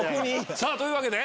さぁというわけで。